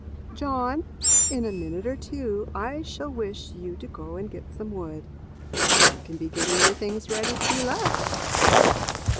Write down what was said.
"John, in a minute or two I shall wish you to go and get some wood. You can be getting your things ready to be left."